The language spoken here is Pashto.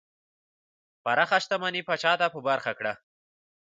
پراخه شتمنۍ پاچا ته په برخه کړه.